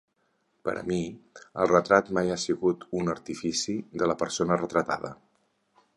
Per a mi, el retrat mai ha sigut un artifici de la persona retratada.